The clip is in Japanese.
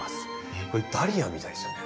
ダリアみたいですよね。